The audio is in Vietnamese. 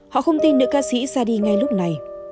họ không tin nữ ca sĩ ra đi ngay lúc này